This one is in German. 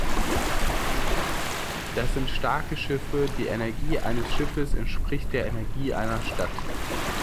Das sind starke Schiffe, die Energie eines Schiffes entspricht der Energie einer Stadt.